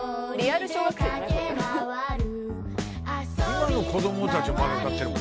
今の子供たちもまだ歌ってるもんね